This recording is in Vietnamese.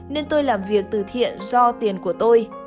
nên tôi làm việc từ thiện do tiền của tôi